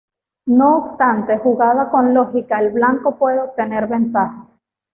No obstante, jugada con lógica el blanco puede obtener ventaja.